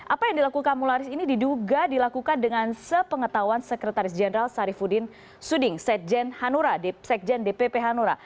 apa yang dilakukan mularis ini diduga dilakukan dengan sepengetahuan sekretaris jenderal sarifudin suding sekjen dpp hanura